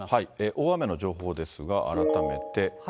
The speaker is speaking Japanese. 大雨の情報ですが、改めて。